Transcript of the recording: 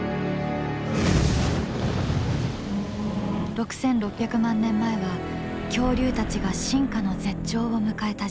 ６６００万年前は恐竜たちが進化の絶頂を迎えた時代。